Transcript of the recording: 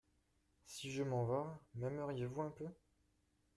Si je m’en vas… m’aimeriez-vous un peu ?